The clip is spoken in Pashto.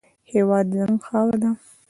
هېواد زموږ خاوره ده